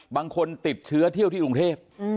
บางคนติดเชื้อเที่ยวที่กรุงเทพ